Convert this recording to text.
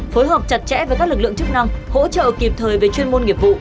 phối hợp chặt chẽ với các lực lượng chức năng hỗ trợ kịp thời về chuyên môn nghiệp vụ